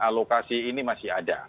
alokasi ini masih ada